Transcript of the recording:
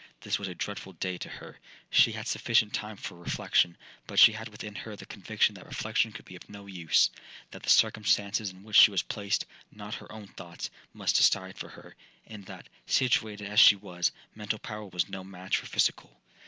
'This was a dreadful day to her. She had sufficient time for reflection, but she had within her the conviction that reflection could be of no use,—that the circumstances in which she was placed, not her own thoughts, must decide for her,—and that, situated as she was, mental power was no match for physical.